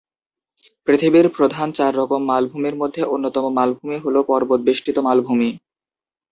পৃথিবীর প্রধান চার রকম মালভূমির মধ্যে অন্যতম মালভূমি হল পর্বত বেষ্টিত মালভূমি।